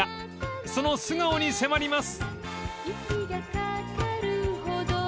［その素顔に迫ります］